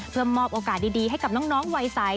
เพื่อมอบโอกาสดีให้กับน้องวัยใส